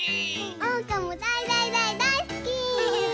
おうかもだいだいだいだいすき！